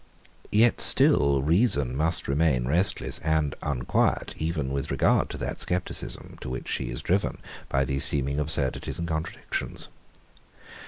Yet still reason must remain restless, and unquiet, even with regard to that scepticism, to which she is driven by these seeming absurdities and contradictions.